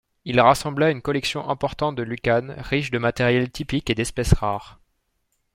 Il rassembla une collection importante de Lucanes, riche de matériel typique et d'espèces rares.